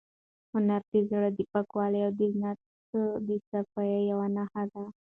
هنر د زړه د پاکوالي او د نیت د صفایۍ یوه نښه ده.